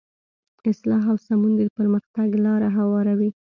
اصلاح او سمون د پرمختګ لاره هواروي.